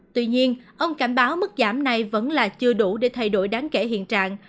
tuy nhiên ông cảnh báo mức giảm này vẫn là chưa đủ để thay đổi đáng kể hiện trạng